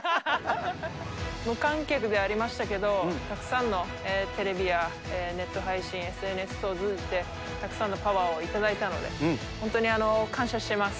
無観客でやりましたけれども、たくさんのテレビやネット配信、ＳＮＳ等を通じて、たくさんのパワーを頂いたので、本当に感謝してます。